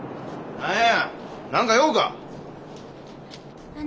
何や？